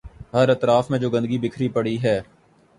ہر اطراف میں جو گندگی بکھری پڑی ہے۔